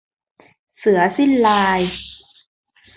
เสือสิ้นลาย